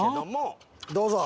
どうぞ。